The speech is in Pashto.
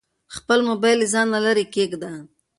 خپل موبایل له ځانه لیرې کېږده.